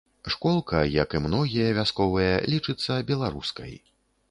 Школка, як і многія вясковыя, лічыцца беларускай.